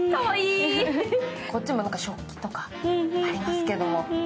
こっちもなんか食器とかありますけれども。